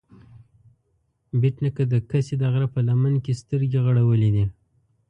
بېټ نيکه د کسې د غره په لمن کې سترګې غړولې دي